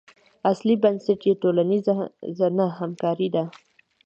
اصلي بنسټ یې ټولنیزه نه همکاري ده.